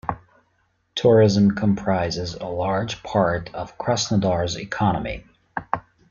Tourism comprises a large part of Krasnodar's economy.